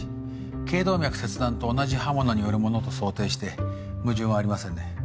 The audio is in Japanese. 頸動脈切断と同じ刃物によるものと想定して矛盾はありませんね。